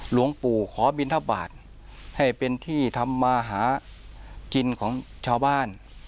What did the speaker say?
หลวงปู่ขอบินทบาทให้เป็นที่ทำมาหากินของชาวบ้าน